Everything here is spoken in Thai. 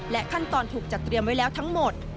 ขั้นตอนถูกจัดเตรียมไว้แล้วทั้งหมด